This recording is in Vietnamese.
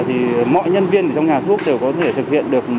thì mọi nhân viên trong nhà thuốc đều có thể thực hiện được